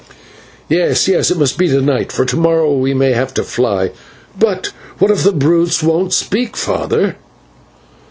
"Yes, yes, it must be to night, for to morrow we may have to fly. But what if the brutes won't speak, father?"